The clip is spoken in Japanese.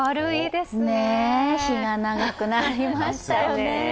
日が長くなりましたよね。